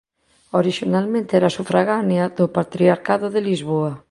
Orixinalmente era sufragánea do patriarcado de Lisboa.